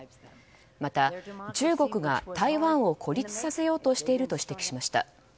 また、中国が台湾を孤立させようとしていると指摘しました。